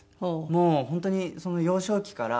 もう本当に幼少期から。